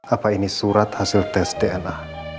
apa ini surat hasil tes dna